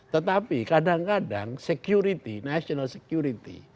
tetapi kadang kadang security national security